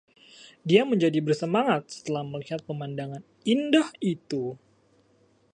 Dia menjadi bersemangat setelah melihat pemandangan indah itu.